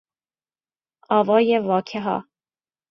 آوای واکهها